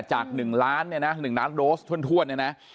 จาก๑ล้านเนี่ยนะ๑ล้านโดสถ้วนเนี่ยนะ